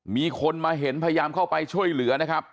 มีคนมาเห็นพยายามเข้าไปช่วยเหลือนะครับ